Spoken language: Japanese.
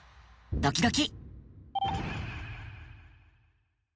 ドキドキ。